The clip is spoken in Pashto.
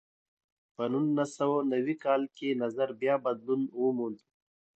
په نولس سوه نوي کال کې نظر بیا بدلون وموند.